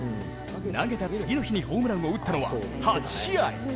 投げた次の日にホームランを打ったのは８試合。